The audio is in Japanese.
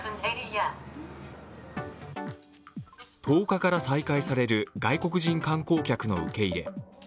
１０日から再開される外国人観光客の受け入れ。